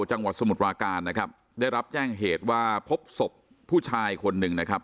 จังหวัดสมุทรปราการนะครับได้รับแจ้งเหตุว่าพบศพผู้ชายคนหนึ่งนะครับ